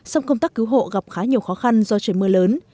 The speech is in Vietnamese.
sông công tác cứu hộ gặp khá nhiều khó khăn do trời mưa lớn